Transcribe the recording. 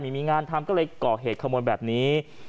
ไม่มีงานทำก็เลยก่อเหตุขโมยแบบนี้